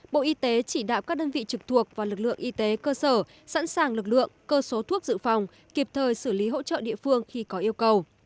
bộ y tế chỉ đạo các đơn vị trực thuộc và lực lượng y tế cơ sở sẵn sàng lực lượng cơ số thuốc dự phòng kịp thời xử lý hỗ trợ địa phương khi có yêu cầu